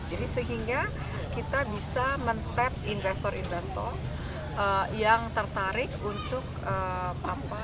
sehingga kita bisa men tap investor investor yang tertarik untuk apa